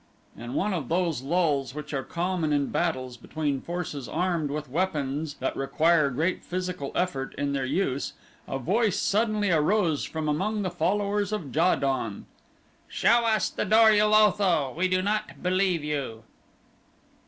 In one of those lulls which are common in battles between forces armed with weapons that require great physical effort in their use, a voice suddenly arose from among the followers of Ja don: "Show us the Dor ul Otho. We do not believe you!"